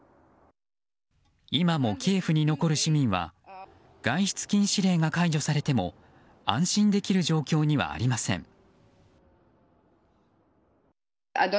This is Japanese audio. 今もキエフに残る市民は外出禁止令が解除されても安心できる状況にはありません。